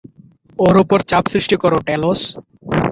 ওর ওপর চাপ সৃষ্টি করো, টেলস!